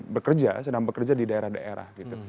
bekerja sedang bekerja di daerah daerah gitu